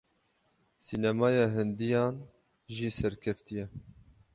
Sînemaya Hindiyan jî serkevtî ye.